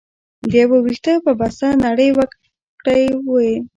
د يو وېښته په بسته نړۍ وکړى وى.